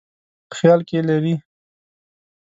خیال کې لري.